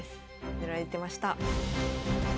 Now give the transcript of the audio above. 塗られてました。